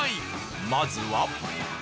まずは。